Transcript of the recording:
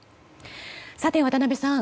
さて、渡辺さん